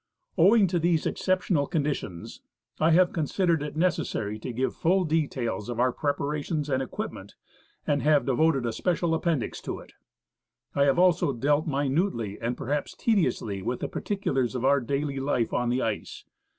Owing to these exceptional conditions, I have considered it necessary to give full details of our preparations and equipment and have devoted a special appendix to it. I have also dealt minutely, and perhaps tediously, with the particulars of our daily life on the ice.